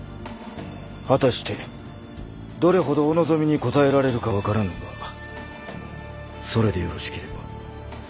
果たしてどれほどお望みに応えられるか分からぬがそれでよろしければ。